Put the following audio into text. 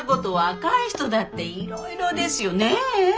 若い人だっていろいろですよねえ？